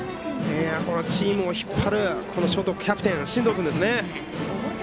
チームを引っ張るキャプテン進藤君ですね。